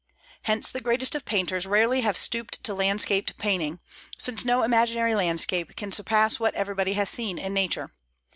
Hence the greatest of painters rarely have stooped to landscape painting, since no imaginary landscape can surpass what everybody has seen in nature.